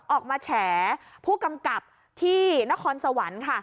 แฉผู้กำกับที่นครสวรรค์ค่ะ